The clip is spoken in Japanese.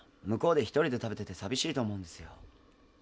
向こうで一人で食べてて寂しいと思うんですよ。